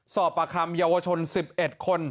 สอบประคำเยาวชน๑๑คน